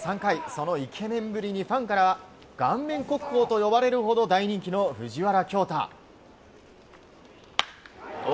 そのイケメンぶりにファンから顔面国宝と呼ばれるほど大人気の藤原恭大。